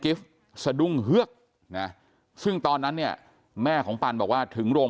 ฟ์สะดุ้งเฮือกนะซึ่งตอนนั้นเนี่ยแม่ของปันบอกว่าถึงโรง